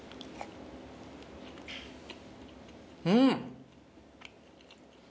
うん！